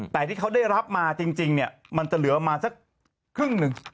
แต่ที่เขาได้รับมาจริงเนี่ยมันจะเหลือประมาณสักครึ่งหนึ่ง